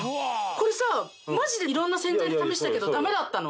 これさマジで色んな洗剤で試したけどダメだったの